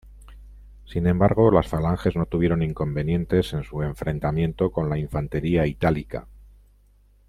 Sin embargo, las falanges no tuvieron inconvenientes en su enfrentamiento con la infantería itálica.